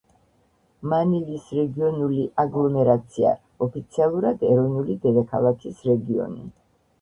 მანილის რეგიონული აგლომერაცია; ოფიციალურად ეროვნული დედაქალაქის რეგიონი